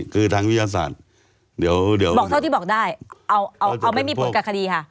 คือทางวิทยาศาสตร์เดี๋ยวบอกเท่าที่บอกได้เอาไม่มีผลกับคดีค่ะ